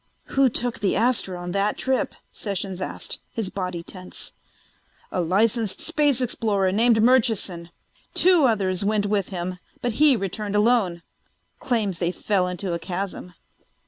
"Who took the Astra on that trip?" Sessions asked, his body tense. "A licensed space explorer named Murchison. Two others went with him but he returned alone. Claims they fell into a chasm."